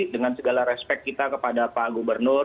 dengan segala respect kita kepada pak gubernur